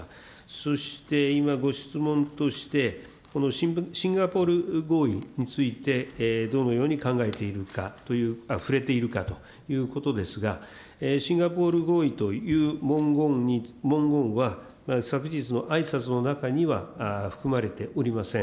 そして今、ご質問として、このシンガポール合意について、どのように考えているかという、触れているかということですが、シンガポール合意という文言は、昨日のあいさつの中には含まれておりません。